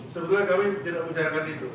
sebetulnya kami tidak menjelaskan itu